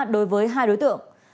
đối với hai đối tượng